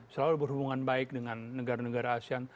selalu berhubungan baik dengan negara negara asean